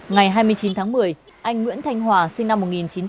ngày hai mươi chín tháng một mươi anh nguyễn thanh hòa sinh năm một nghìn chín trăm chín mươi